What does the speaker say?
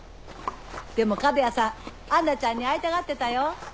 でも角屋さん杏奈ちゃんに会いたがってたよ。